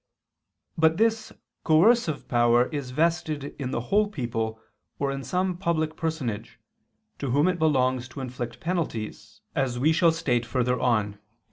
But this coercive power is vested in the whole people or in some public personage, to whom it belongs to inflict penalties, as we shall state further on (Q.